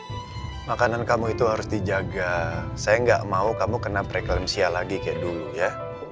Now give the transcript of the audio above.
mau putri apa makanan kamu itu harus dijaga saya enggak mau kamu kena preklimsia lagi kayak dulu ya